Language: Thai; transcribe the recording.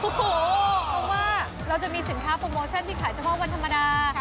เพราะว่าเราจะมีสินค้าโปรโมชั่นที่ขายเฉพาะวันธรรมดา